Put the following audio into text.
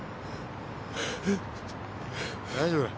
大丈夫だ。